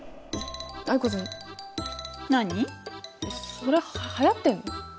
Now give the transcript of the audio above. それはやってんの？